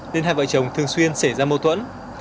nên hai vợ chồng thường xuyên xảy ra mâu thuẫn